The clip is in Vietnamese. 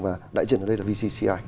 và đại diện ở đây là vcci